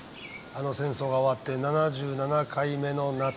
あの戦争が終わって７７回目の夏。